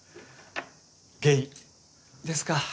ゲイですか。